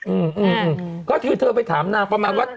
อืมก็คือเธอไปถามนางประมาณว่า